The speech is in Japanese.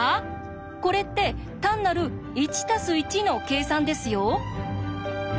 これって単なる「１＋１」の計算ですよ。